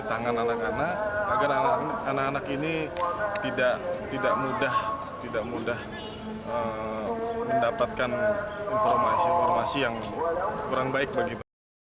agar anak anak ini tidak mudah mendapatkan informasi yang kurang baik bagi mereka